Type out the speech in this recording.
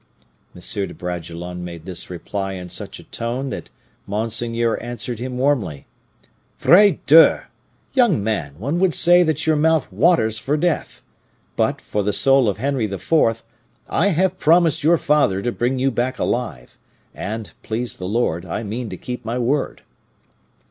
M. de Bragelonne made this reply in such a tone that monseigneur answered him warmly, 'Vrai Dieu! Young man, one would say that your mouth waters for death; but, by the soul of Henry IV., I have promised your father to bring you back alive; and, please the Lord, I mean to keep my word.